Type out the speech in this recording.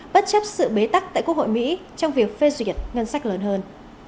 bất chấp sự bế tắc tại quốc hội mỹ trong việc phê duyệt ngân sách lớn hơn